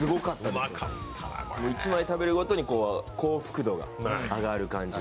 １枚食べるごとに幸福度が上がる感じ。